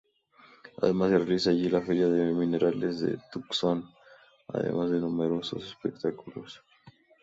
Además se realiza allí la Feria de minerales de Tucson, además de numerosos espectáculos.